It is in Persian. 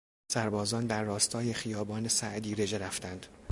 سربازان در راستای خیابان سعدی رژه رفتند.